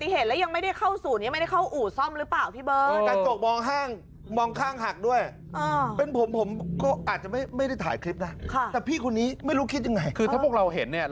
เฮ้ยขับหนีลงวะ